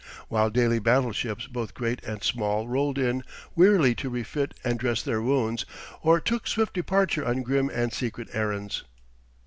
While daily battleships both great and small rolled in wearily to refit and dress their wounds, or took swift departure on grim and secret errands.